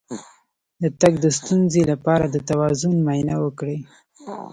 د تګ د ستونزې لپاره د توازن معاینه وکړئ